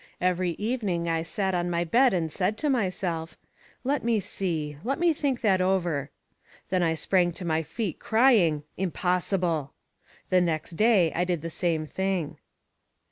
Every evening I sat on my bed and said to myself: "Let me see; let me think that over." Then I sprang to my feet crying: "Impossible!" The next day, I did the same thing.